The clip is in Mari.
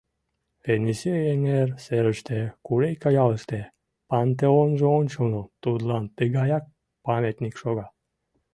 Енисей эҥер серыште, Курейка ялыште, пантеонжо ончылно, Тудлан тыгаяк памятник шога.